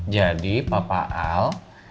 jadi papa al